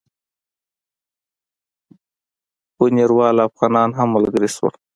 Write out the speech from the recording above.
بُنیروال افغانان هم ملګري شول.